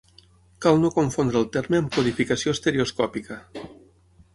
Cal no confondre el terme amb codificació estereoscòpica.